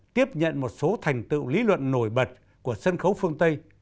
tiếp nhận một số thành tựu lý luận nổi bật của sân khấu phương tây